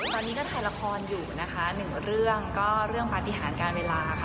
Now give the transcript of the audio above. ตอนนี้ก็ถ่ายละครอยู่นะคะหนึ่งเรื่องก็เรื่องปฏิหารการเวลาค่ะ